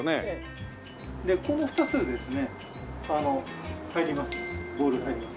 でこの２つですね入ります。